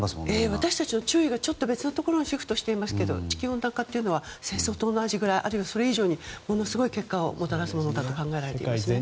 私たちの注意が別のところにシフトしていますが地球温暖化というのは戦争と同じかあるいはそれ以上にものすごい結果をもたらすものだと考えられていますね。